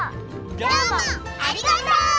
どうもありがとう！